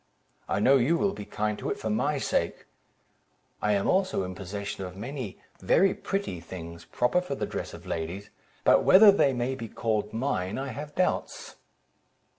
I know you will be kind to it for my sake. I am also in possession of many very pretty things, proper for the dress of ladies; but whether they may be called mine, I have doubts."